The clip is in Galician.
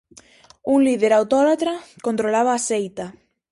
Un líder autólatra controlaba a seita.